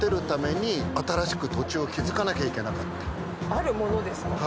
あるものですか？